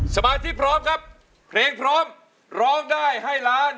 สมาธิพร้อมครับเพลงพร้อมร้องได้ให้ล้าน